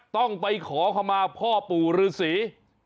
ต้องไปขอเข้ามาพ่อปู่รือสี